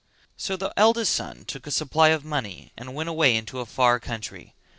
So the eldest son took a supply of money and went away into a far country.